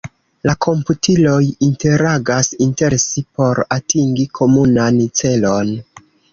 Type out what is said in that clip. La komputiloj interagas inter si por atingi komunan celon.